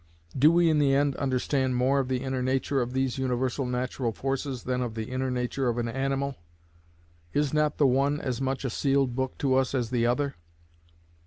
Do we in the end understand more of the inner nature of these universal natural forces than of the inner nature of an animal? Is not the one as much a sealed book to us as the other?